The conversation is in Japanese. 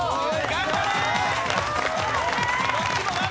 頑張れ！